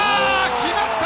決まった！